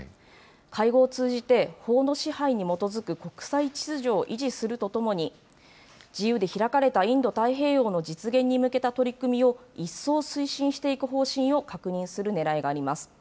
会合を通じて、法の支配に基づく国際秩序を維持するとともに、自由で開かれたインド太平洋の実現に向けた取り組みを一層推進していく方針を確認するねらいがあります。